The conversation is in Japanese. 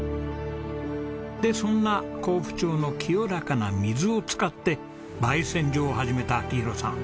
でそんな江府町の清らかな水を使って焙煎所を始めた明宏さん。